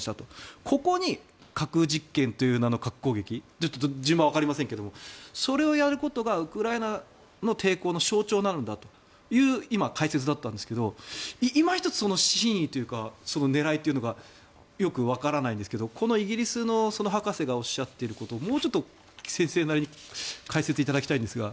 ここに核実験という名の核攻撃ちょっと順番はわかりませんがそれをやることがウクライナの抵抗の象徴になるんだという解説だったんですけどいま一つ真意というかその狙いというのがよくわからないんですがこのイギリスの博士がおっしゃっていることをもうちょっと先生なりに解説いただきたいんですが。